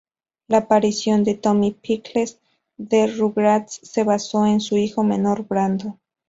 La aparición de Tommy Pickles' de "Rugrats" se basó en su hijo menor Brandon.